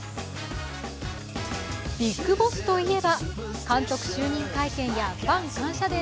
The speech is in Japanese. ビッグボスといえば、監督就任会見やファン感謝